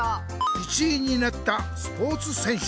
１位になったスポーツせんしゅ。